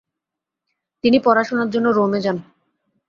তিনি পড়াশোনার জন্য রোমে যান।